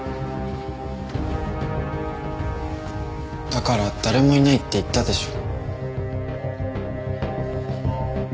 だから誰もいないって言ったでしょ。